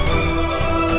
perang ekspertar ropes